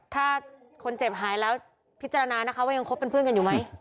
ถ้าคนเจ็บหายแล้วพิจารณานะคะว่ายังคบเป็นเพื่อนกันอยู่ไหม